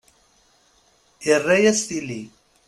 Irra-yas tili.